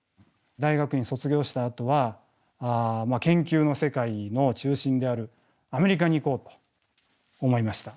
大学院を卒業したあとは研究の世界の中心であるアメリカに行こうと思いました。